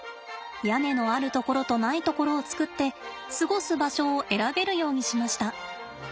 屋根のあるところとないところを作って過ごす場所を選べるようにしました。